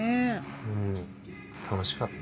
うん楽しかった。